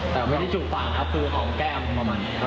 แต่ไม่ได้จูบปากครับคือหอมแก้มประมาณนี้ครับ